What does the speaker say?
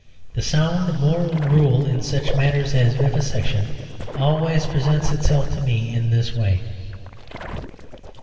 The sound moral rule in such matters as vivisection always presents itself to me in this way.